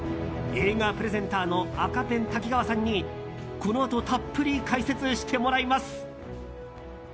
映画プレゼンターの赤ペン瀧川さんにこのあとたっぷり解説してもらいます。